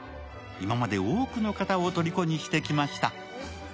今まで多くの方をとりこにしてきました。